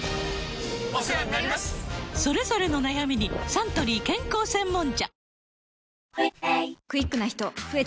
それぞれの悩みにサントリー健康専門茶